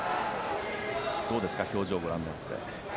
どうですか表情をご覧になって。